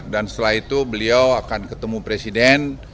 dan setelah itu beliau akan ketemu presiden